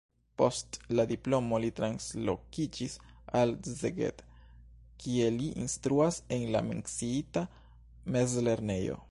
Post la diplomo li translokiĝis al Szeged, kie li instruas en la menciita mezlernejo.